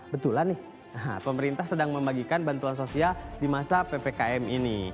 betulan nih pemerintah sedang membagikan bantuan sosial di masa ppkm ini